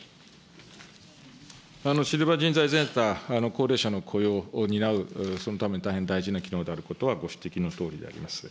シルバー人材センター、高齢者の雇用を担うそのために大変大事な機能であることはご指摘のとおりであります。